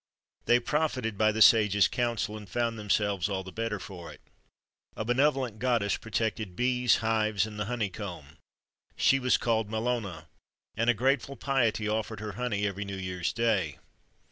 [XXIII 53] They profited by th sage's counsel, and found themselves all the better for it.[XXIII 54] A benevolent goddess protected bees, hives, and the honeycomb. She was called Mellona, and a grateful piety offered her honey every new year's day.